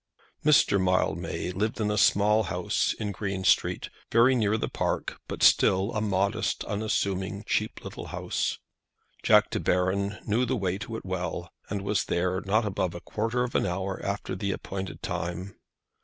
Mr. Mildmay lived in a small house in Green Street, very near the Park, but still a modest, unassuming, cheap little house. Jack De Baron knew the way to it well, and was there not above a quarter of an hour after the appointed time.